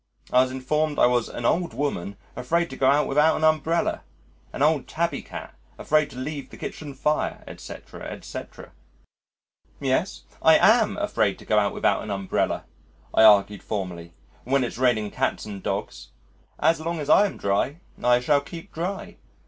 I was informed I was an old woman afraid to go out without an umbrella, an old tabby cat afraid to leave the kitchen fire, etc., etc. "Yes, I am afraid to go out without an umbrella," I argued formally, "when it's raining cats and dogs. As long as I am dry, I shall keep dry.